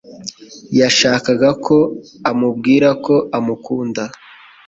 Yashakaga ko amubwira ko amukunda.